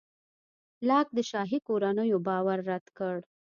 لاک د شاهي کورنیو باور رد کړ.